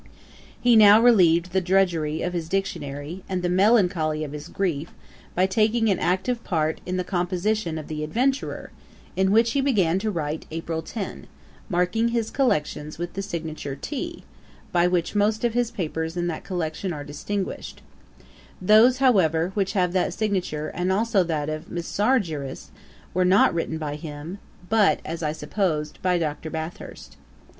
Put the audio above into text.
He now relieved the drudgery of his Dictionary, and the melancholy of his grief, by taking an active part in the composition of The Adventurer, in which he began to write April 10, marking his essays with the signature T, by which most of his papers in that collection are distinguished: those, however, which have that signature and also that of Mysargyrus, were not written by him, but, as I suppose, by Dr. Bathurst.